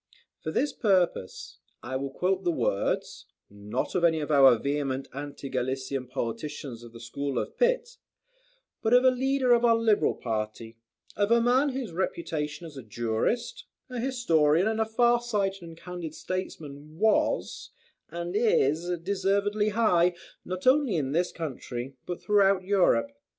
For this purpose, I will quote the words, not of any of our vehement anti Gallican politicians of the school of Pitt, but of a leader of our Liberal party, of a man whose reputation as a jurist, a historian and a far sighted and candid statesman, was, and is, deservedly high, not only in this country, but throughout Europe.